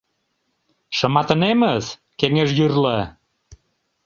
Шыматынемыс кеҥеж йӱрла.